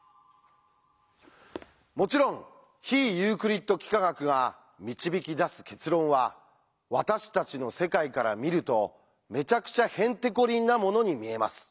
もちろん非ユークリッド幾何学が導き出す結論は私たちの世界から見るとめちゃくちゃへんてこりんなものに見えます。